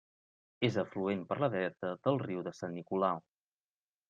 És afluent per la dreta del Riu de Sant Nicolau.